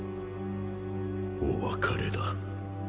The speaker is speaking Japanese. お別れだ。